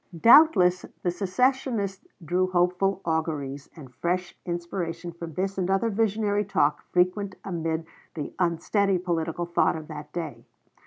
Doubtless the secessionists drew hopeful auguries and fresh inspiration from this and other visionary talk frequent amid the unsteady political thought of that day.